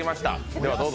では、どうぞ。